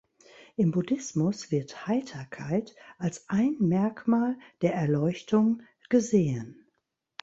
Im Buddhismus wird Heiterkeit als ein Merkmal der Erleuchtung gesehen.